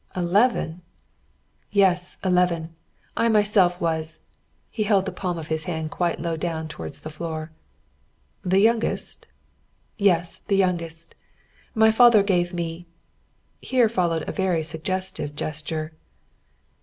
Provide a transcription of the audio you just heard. "Eleven?" "Yes, eleven. I myself was" he held the palm of his hand quite low down towards the floor. "The youngest?" "Yes, the youngest." "My father gave me" here followed a very suggestive gesture.